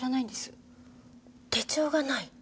手帳がない？